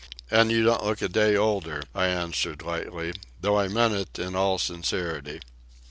"And you don't look a day older," I answered lightly, though I meant it in all sincerity.